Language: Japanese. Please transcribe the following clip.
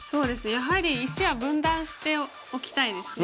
やはり石は分断しておきたいですね。